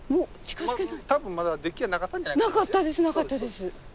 なかったですなかったです。